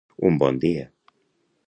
Un bon dia.